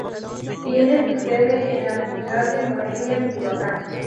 Tiene su sede en la ciudad de Morelia, Michoacán.